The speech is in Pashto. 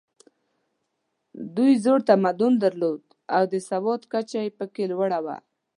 دوی زوړ تمدن درلود او د سواد کچه پکې لوړه وه.